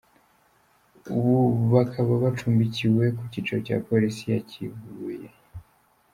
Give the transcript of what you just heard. Ubu bakaba bacumbikiwe ku cyicaro cya Polisi ya Kivuye.